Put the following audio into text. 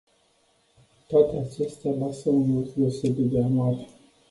Toate acestea lasă un gust deosebit de amar.